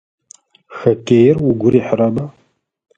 Хоккеир угу рихьырэба?